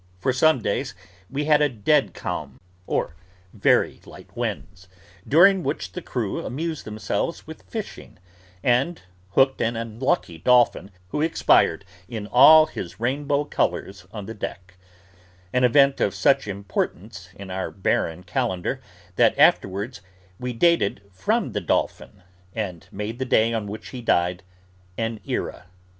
For some days we had a dead calm, or very light winds, during which the crew amused themselves with fishing, and hooked an unlucky dolphin, who expired, in all his rainbow colours, on the deck: an event of such importance in our barren calendar, that afterwards we dated from the dolphin, and made the day on which he died, an era.